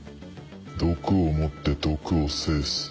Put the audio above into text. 毒をもって毒を制す。